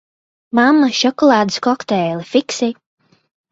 Mamma, šokolādes kokteili, fiksi!